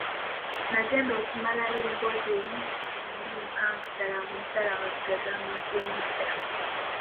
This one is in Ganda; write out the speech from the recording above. Nagenda okumalayo emboozi eri eyali empavu ddala ng'omukyala amaziga gaamuyiseemu dda.